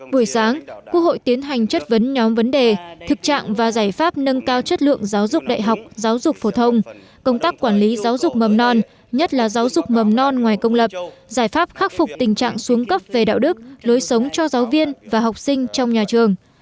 buổi sáng quốc hội tiến hành chất vấn nhóm vấn đề thực trạng và giải pháp nâng cao chất lượng giáo dục đại học giáo dục phổ thông công tác quản lý giáo dục mầm non nhất là giáo dục mầm non ngoài công lập giải pháp khắc phục tình trạng xuống cấp về đạo đức lối sống cho giáo viên và học sinh trong nhà trường